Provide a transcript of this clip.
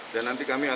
dan nanti kami akan